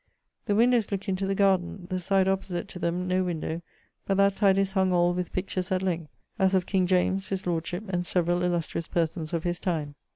The windowes looke into the garden, the side opposite to them no window, but that side is hung all with pictures at length, as of King James, his lordship, and severall illustrious persons of his time.